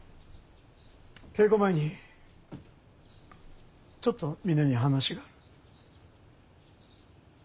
稽古前にちょっとみんなに話がある。